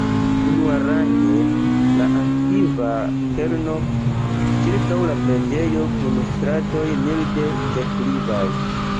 Unuarange, la antikva kerno, ĉirkaŭ la preĝejo, kun stratoj milde deklivaj.